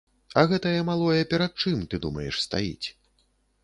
А гэтае малое перад чым, ты думаеш, стаіць?